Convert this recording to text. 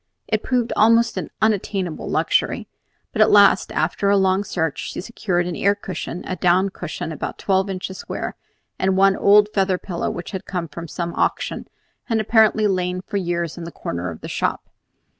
It proved almost an unattainable luxury; but at last, after a long search, she secured an air cushion, a down cushion about twelve inches square, and one old feather pillow which had come from some auction, and had apparently lain for years in the corner of the shop.